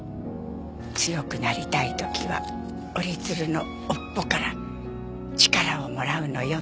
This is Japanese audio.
「強くなりたい時は折り鶴の尾っぽから力をもらうのよ」